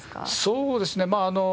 そうですね。